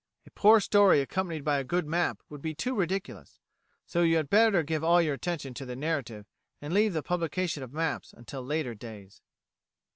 A poor story accompanied by a good map would be too ridiculous; so you had better give all your attention to the narrative, and leave the publication of maps until later days.